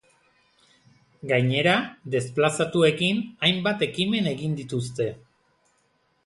Gainera desplazatuekin hainbat ekimen egin dituzte.